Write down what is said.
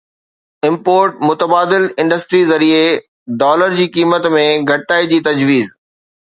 import متبادل industry ذريعي dollar جي قيمت ۾ گهٽتائي جي تجويز